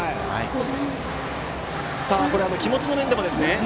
これは気持ちの面でもですね